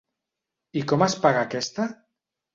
I com es paga aquesta!?